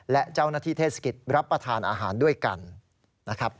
และเจ้าหน้าที่เทศกิจรับประทานอาหารด้วยกันนะครับ